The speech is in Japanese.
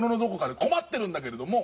困ってるんだけれども。